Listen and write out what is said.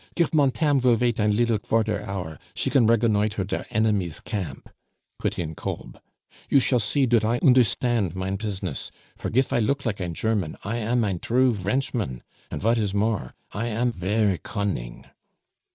"Gif montame vill vait ein liddle kvarter hour, she can regonnoitre der enemy's camp," put in Kolb. "You shall see dot I oonderstand mein pizness; for gif I look like ein German, I am ein drue Vrenchman, and vat is more, I am ver' conning."